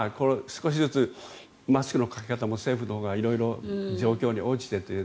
少しずつマスクのかけ方も政府のほうが色々、状況に応じてと。